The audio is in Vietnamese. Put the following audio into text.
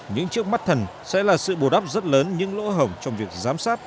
những trước mắt thần sẽ là sự bù đắp rất lớn những lỗ hổng trong việc giám sát